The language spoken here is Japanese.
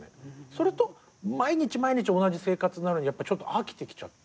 それと毎日毎日同じ生活なのにやっぱちょっと飽きてきちゃって。